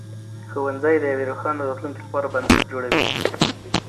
ښوونځي د یوې روښانه راتلونکې لپاره بنسټ جوړوي.